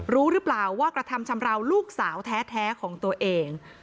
รู้หรือเปล่าว่ากระทำชำราวลูกสาวแท้ของตัวเอง